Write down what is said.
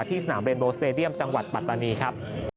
ที่สนามเรนโบสเตดียมจังหวัดปัตตานีครับ